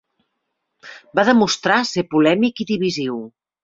Va demostrar ser polèmic i divisiu.